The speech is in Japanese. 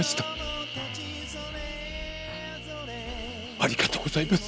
ありがとうございます。